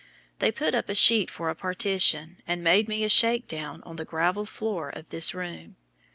They put up a sheet for a partition, and made me a shake down on the gravel floor of this room.